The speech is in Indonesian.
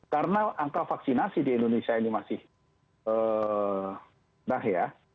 karena angka vaksinasi di indonesia ini masih rendah ya